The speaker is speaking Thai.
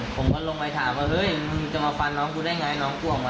ก็กลับถึงแล้วติดส้มภันไหม